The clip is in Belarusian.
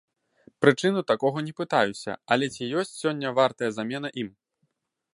Прычыну такога не пытаюся, але ці ёсць сёння вартая замена ім?